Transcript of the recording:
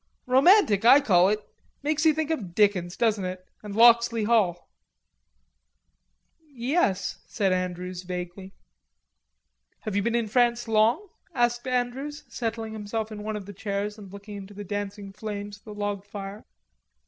"Romantic I call it. Makes you think of Dickens, doesn't it, and Locksley Hall." "Yes," said Andrews vaguely. "Have you been in France long?" asked Andrews settling himself in one of the chairs and looking into the dancing flames of the log fire.